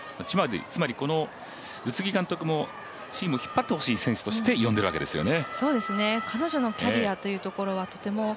つまり、この宇津木監督もチームを引っ張ってほしい選手として呼んでいるわけですよね。